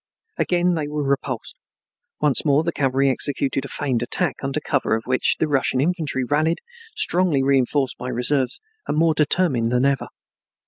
Again they were repulsed. Once more their cavalry executed a feigned attack under cover of which the Russian infantry rallied, strongly reinforced by reserves, and more determined than ever.